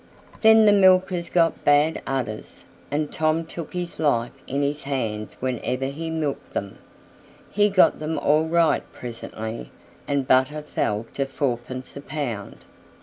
Then the milkers got bad udders, and Tom took his life in his hands whenever he milked them. He got them all right presently and butter fell to fourpence a pound.